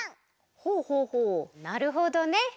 ほうほうほうなるほどね。